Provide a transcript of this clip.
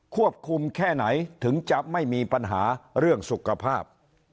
แค่ไหนถึงจะไม่มีปัญหาเรื่องสุขภาพ